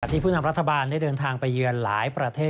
ที่ผู้นำรัฐบาลได้เดินทางไปเยือนหลายประเทศ